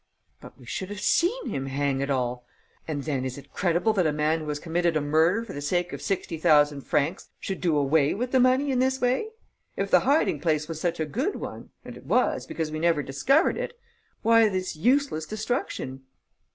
"But we should have seen him, hang it all! And then is it credible that a man who has committed a murder for the sake of sixty thousand francs should do away with the money in this way? If the hiding place was such a good one and it was, because we never discovered it why this useless destruction?"